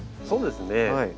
そうですね